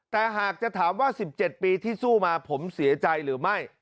แต่หากจะถามว่า๑๗ปีที่สู้มาผมเสียใจหรือไม่